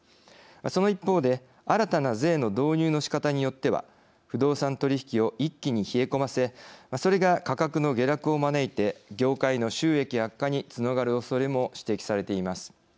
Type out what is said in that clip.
その一方で新たな税の導入の仕方によっては不動産取引を一気に冷え込ませそれが価格の下落を招いて業界の収益悪化につながるおそれも指摘されています。